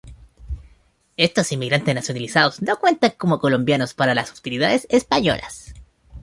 Estos inmigrantes nacionalizados no cuentan como colombianos para las autoridades españolas.